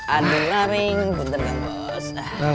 adil laring bener ya bos